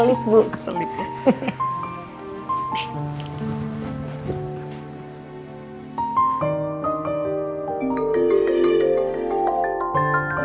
iya keselip bu